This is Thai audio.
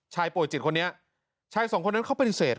ชายโปรดจิตคนนี้ชายสองคนนั้นเข้าไปเศษ